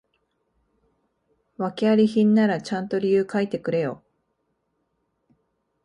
訳あり品ならちゃんと理由書いてくれよ